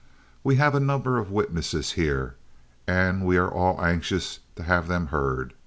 We have a number of witnesses here, and we are all anxious to have them heard.